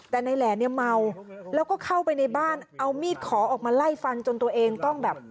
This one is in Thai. แต่นายแหล่เนี่ยเมาแล้วก็เข้าไปในบ้านเอามีดขอออกมาไล่ฟันจนตัวเองต้องแบบ